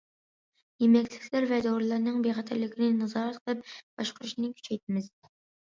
يېمەكلىكلەر ۋە دورىلارنىڭ بىخەتەرلىكىنى نازارەت قىلىپ باشقۇرۇشنى كۈچەيتىمىز.